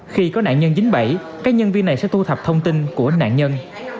khi có nạn nhân dính bẫy các nhân viên này sẽ thu thập thông tin của nạn nhân